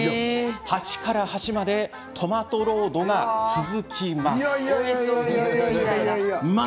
端から端までトマトロードが続きます。